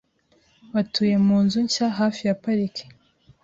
Batuye munzu nshya hafi ya parike .